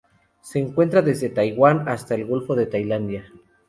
Se encuentra desde Taiwán hasta el Golfo de Tailandia.